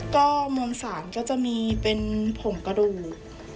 ก็มุมศาลก็จะมีเป็นผงกระดูก